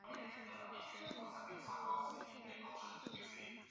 也可以指女性无法完整怀孕的问题。